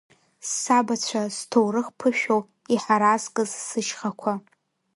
Сабацәа, зҭоурых ԥышәоу, иҳаразкыз сышьхақәа.